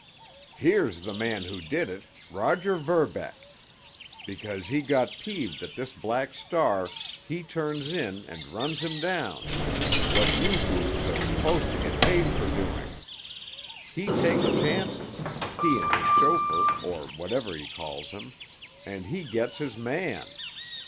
"Here's the man who did it—Roger Verbeck! Because he got peeved at this Black Star he turns in and runs him down—what you boobs are supposed to get paid for doing! He takes chances—he and his chauffeur, or whatever he calls him—and he gets his man!